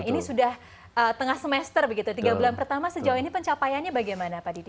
ini sudah tengah semester begitu tiga bulan pertama sejauh ini pencapaiannya bagaimana pak didi